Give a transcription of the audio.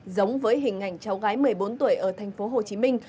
giống với hình ảnh cháu gái một mươi bốn tuổi ở thành phố hồ chí minh